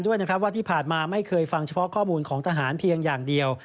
ด้วยนะครับว่าที่ผ่านมาไม่เคยฟังเฉพาะข้อมูลของทหารเพียงอย่างเดียว